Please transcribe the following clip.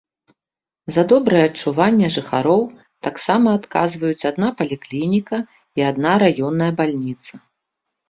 За добрае адчуванне жыхароў таксама адказваюць адна паліклініка і адна раённая бальніца.